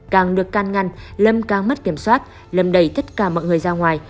càng được can ngăn lâm càng mất kiểm soát lâm đẩy tất cả mọi người ra ngoài